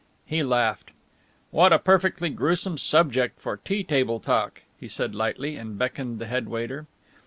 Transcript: He laughed. "What a perfectly gruesome subject for tea table talk," he said lightly, and beckoned the head waiter.